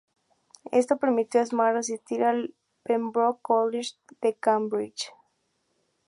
Esto permitió a Smart asistir al Pembroke College de Cambridge.